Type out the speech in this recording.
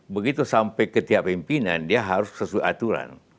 begitu sampai ke tiap pimpinan dia harus sesuai aturan